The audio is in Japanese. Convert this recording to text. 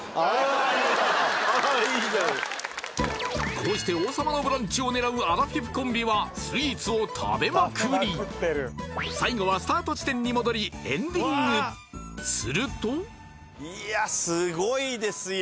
こうして「王様のブランチ」を狙うアラフィフコンビはスイーツを食べまくり最後はスタート地点に戻りエンディングするといやすごいですよ